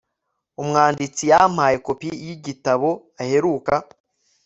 umwanditsi yampaye kopi yigitabo aheruka